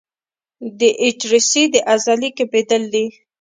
د ایټریسي د عضلې کمېدل دي.